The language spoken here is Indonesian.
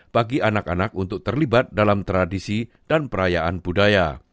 bagi anak anak untuk terlibat dalam tradisi dan perayaan budaya